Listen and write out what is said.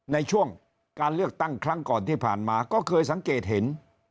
ในช่วงการเลือกตั้งครั้งก่อนที่ผ่านมาก็เคยสังเกตเห็น